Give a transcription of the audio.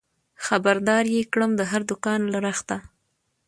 خبر دار يې کړم د هر دوکان له رخته